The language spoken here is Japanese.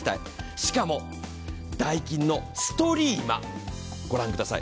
しかも、ダイキンのストリーマ、御覧ください。